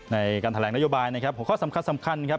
ในการแถลงนโยบายนะครับหัวข้อสำคัญสำคัญครับ